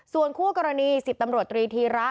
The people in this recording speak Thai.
ส่วนคู่กรณี๑๐ตำรวจตรีธีระ